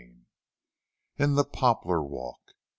XXIX. IN THE POPLAR WALK.